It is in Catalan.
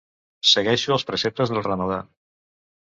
Segueixo els preceptes del Ramadà.